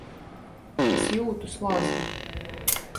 Es jūtu slazdu.